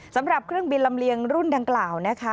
สำหรับเครื่องบินลำเลียงรุ่นดังกล่าวนะคะ